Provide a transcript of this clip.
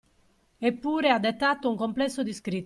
Eppure ha dettato un complesso di scritti.